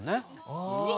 ・うわ。